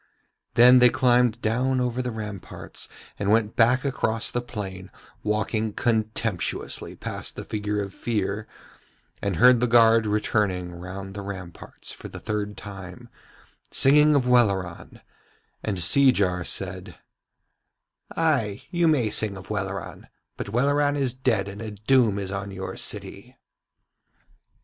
Then they climbed down over the ramparts and went back across the plain, walking contemptuously past the figure of Fear, and heard the guard returning round the ramparts for the third time, singing of Welleran; and Seejar said: 'Ay, you may sing of Welleran, but Welleran is dead and a doom is on your city.'